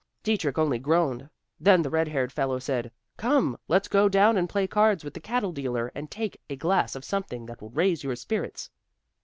Dietrich, only groaned. Then the red haired fellow said, 'Come, let's go down and play cards with the cattle dealer, and take a glass of something that will raise your spirits.'"